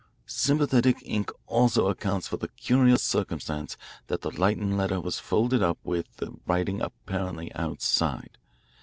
Sympathetic ink also accounts for the curious circumstance that the Lytton letter was folded up with the writing apparently outside.